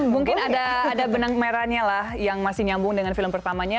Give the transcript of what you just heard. mungkin ada benang merahnya lah yang masih nyambung dengan film pertamanya